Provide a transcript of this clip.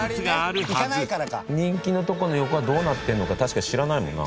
人気なとこの横はどうなってるのか確かに知らないもんな。